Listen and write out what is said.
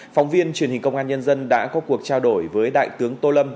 phóng viên truyền hình công an nhân dân đã có cuộc trao đổi với đại tướng tô lâm